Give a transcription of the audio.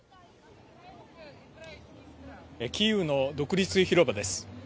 キーウの独立広場です。